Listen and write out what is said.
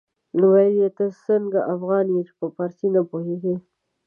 ويل يې ته څنګه افغان يې چې په فارسي نه پوهېږې.